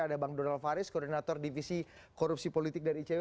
ada bang donald faris koordinator divisi korupsi politik dari icw